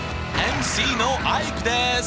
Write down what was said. ＭＣのアイクです！